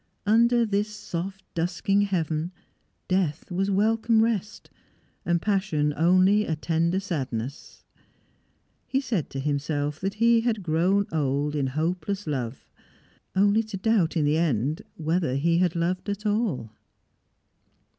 Under this soft dusking heaven, death was welcome rest, and passion only a tender sadness. He said to himself that he had grown old in hopeless love only to doubt in the end whether he had loved at all.